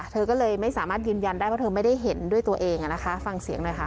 เธอก็เลยไม่สามารถยืนยันได้เพราะเธอไม่ได้เห็นด้วยตัวเองฟังเสียงหน่อยค่ะ